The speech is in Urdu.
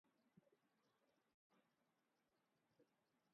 بادل بن جاتے اور اس طرح برستے کہ ہر طرف جل تھل ہو جاتا تھا